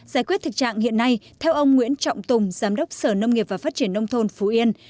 giải quyết thực trạng hiện nay theo ông nguyễn trọng tùng giám đốc sở nông nghiệp và phát triển nông thôn phú yên